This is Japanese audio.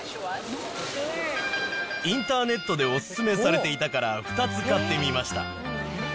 インターネットでお勧めされていたから、２つ買ってみました。